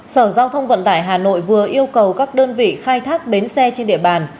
sở giao thông vận tải hà nội vừa yêu cầu các đơn vị khai thác bến xe trên địa bàn